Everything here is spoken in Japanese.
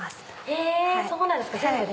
へぇそうなんですか⁉全部？